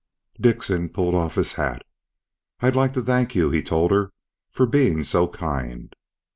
Dickson pulled off his hat. "I'd like to thank you," he told her, "for being so kind..."